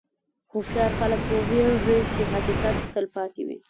هوښیار خلک پوهېږي چې حقیقت تل پاتې وي.